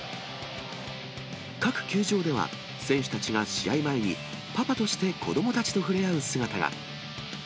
各球場では、選手たちが試合前にパパとして子どもたちと触れ合う姿が。